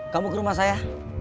kamu ke rumah saya